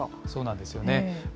そうなんですよね。